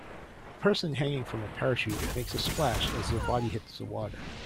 A person hanging from a parachute makes a splash as their body hits the water.